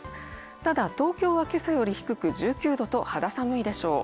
ただ、東京は今朝より低く１９度と肌寒いでしょう。